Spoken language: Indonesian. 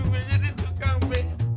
gue jadi tukang becak